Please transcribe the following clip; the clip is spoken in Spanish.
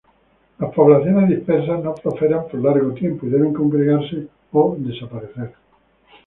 Las poblaciones dispersas no prosperan por largo tiempo y deben congregarse o desaparecer.